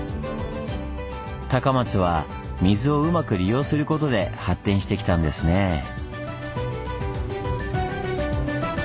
高松は水をうまく利用することで発展してきたんですねぇ。